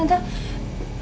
tentang itu apa